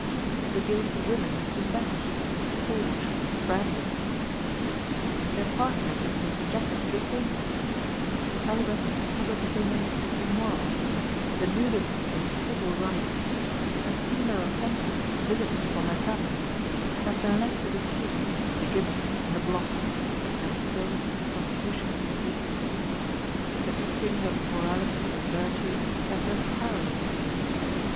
The guilty women have been banished, scourged, branded, executed; their partners have been subjected to the same punishment; held up to public opinion as immoral; denuded of their civil rights; have seen their offenses visited upon their families; have been led to the stake, the gibbet, and the block, and still prostitution exists. The teachings of morality and virtue have been powerless here.